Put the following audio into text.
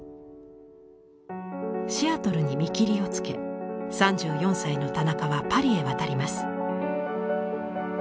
シアトルに見切りをつけ３４歳の田中はパリへ渡ります。